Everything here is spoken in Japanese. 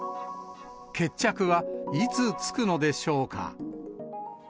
決着はいつつくのでしょうか。